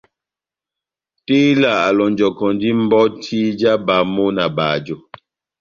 Tela a lonjɔkɔndi mbɔti ja bamo na bajo.